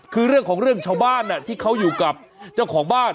คือเรื่องของเรื่องชาวบ้านที่เขาอยู่กับเจ้าของบ้าน